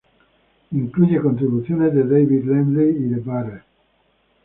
Incluye contribuciones de David Lindley y de Butler.